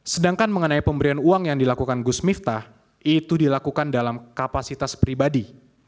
sedangkan mengenai pemberian uang yang dilakukan gus miftah itu dilakukan dalam kapasitas pribadi